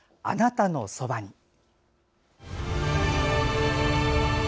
「あなたのそばに」。